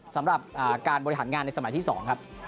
สำหรับการบริหารงานในสมัยที่๒ครับ